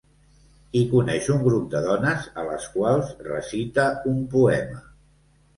Hi coneix un grup de dones a les quals recita un poema.